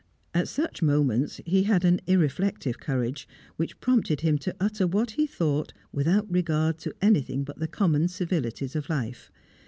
At such moments he had an irreflective courage, which prompted him to utter what he thought without regard to anything but the common civilities of life.